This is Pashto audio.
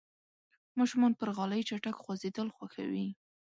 ماشومان پر غالۍ چټک خوځېدل خوښوي.